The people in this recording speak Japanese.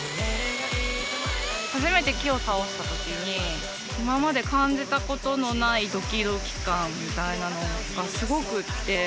初めて木を倒した時に今まで感じたことのないドキドキ感みたいなのがすごくって。